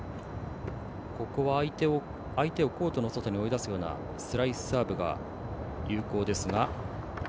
ここは相手をコートの外に追い出すようなスライスサーブが有効です。